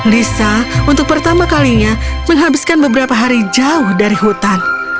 lisa untuk pertama kalinya menghabiskan beberapa hari jauh dari hutan